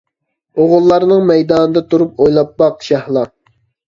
ئوغۇللارنىڭ مەيدانىدا تۇرۇپ ئويلاپ باق شەھلا.